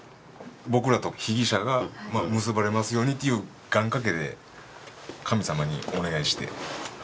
僕らと被疑者が結ばれますようにという願かけで神様にお願いして。